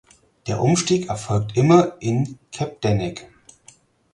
Der Umstieg erfolgt immer in Capdenac.